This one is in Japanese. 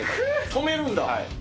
止めるんだ。